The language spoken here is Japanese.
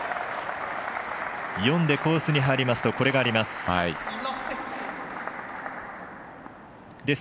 読んでコースに入りますとこれがあります。